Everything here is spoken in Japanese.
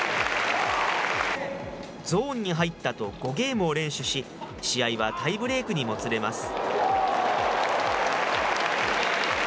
ゾーンに入ったと、５ゲームを連取し、試合はタイブレークにもつれます。